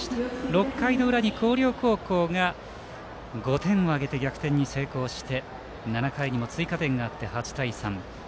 ６回の裏に広陵高校が５点を挙げて逆転に成功し７回にも追加点があって８対３。